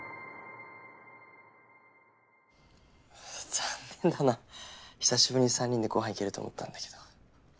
残念だな久しぶりに３人でごはん行けると思ったんだけど。